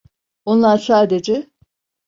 Onlar sadece…